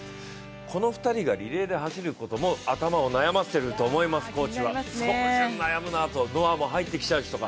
この２人がリレーで走ることも頭を悩ませていると思います、コーチはノアも入ってきちゃうしなと。